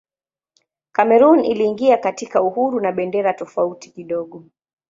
Kamerun iliingia katika uhuru na bendera tofauti kidogo.